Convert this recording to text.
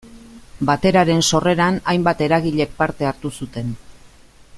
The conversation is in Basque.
Bateraren sorreran hainbat eragilek parte hartu zuten.